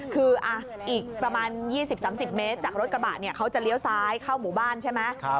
คืออีกประมาณ๒๐๓๐เมตรจากรถกระบะเขาจะเลี้ยวซ้ายเข้าหมู่บ้านใช่ไหม